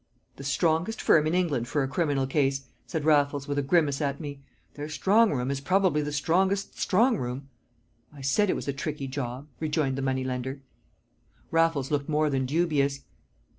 "The strongest firm in England for a criminal case," said Raffles, with a grimace at me. "Their strong room is probably the strongest strong room!" "I said it was a tricky job," rejoined the moneylender. Raffles looked more than dubious.